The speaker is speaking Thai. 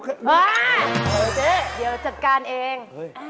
เจ๊เดี๋ยวจัดการเอง